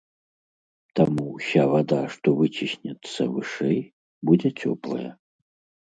Таму ўся вада, што выціснецца вышэй, будзе цёплая.